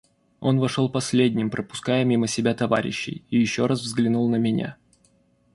Он вошел последним, пропуская мимо себя товарищей, и еще раз взглянул на меня.